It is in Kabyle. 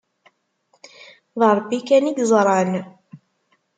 D Rebbi kan i yeẓran.